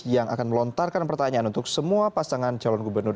yang akan melontarkan pertanyaan untuk semua pasangan calon gubernur